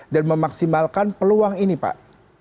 dan memaksimalkan peluang ini pak